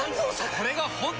これが本当の。